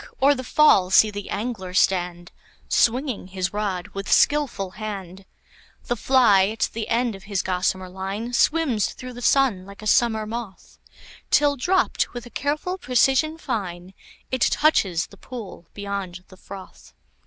o'er the fall see the angler stand, Swinging his rod with skilful hand; The fly at the end of his gossamer line Swims through the sun like a summer moth, Till, dropt with a careful precision fine, It touches the pool beyond the froth.